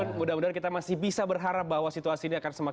mudah mudahan kita masih bisa berharap bahwa situasi ini akan semakin